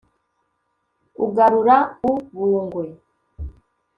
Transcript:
ugarura u bungwe